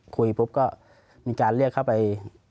คุยปุ๊บก็มีการเรียกเข้าไป